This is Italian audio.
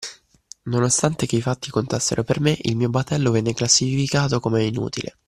Nonostante che i fatti contassero per me, il mio battello venne classificato come inutile.